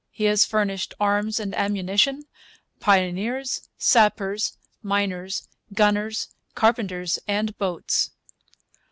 He has furnished arms and ammunition, pioneers, sappers, miners, gunners, carpenters, and boats.'